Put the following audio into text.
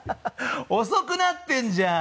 遅くなってんじゃん。